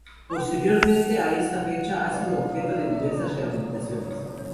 Posteriormente a esta fecha ha sido objeto de diversas rehabilitaciones.